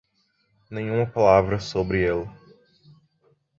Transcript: Nenhuma palavra sobre ele.